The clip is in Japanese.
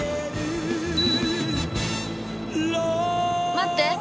待って！